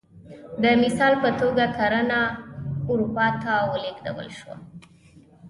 د مثال په توګه کرنه اروپا ته ولېږدول شوه